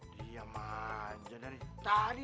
diam aja dari tadi